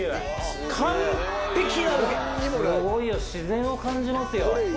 すごいよ自然を感じますよ。